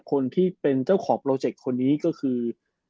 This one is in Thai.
คนที่เป็นเจ้าของโปรเจกต์คนนี้ก็คือ